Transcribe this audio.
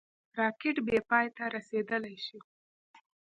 راکټ بېپای ته رسېدلای شي